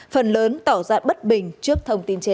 phần lớn tỏ ra bất bình trước thông tin trên